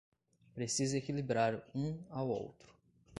Precisa equilibrar um ao outro